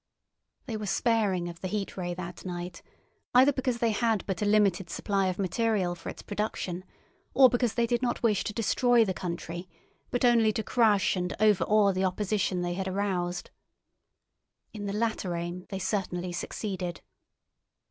They were sparing of the Heat Ray that night, either because they had but a limited supply of material for its production or because they did not wish to destroy the country but only to crush and overawe the opposition they had aroused. In the latter aim they certainly succeeded.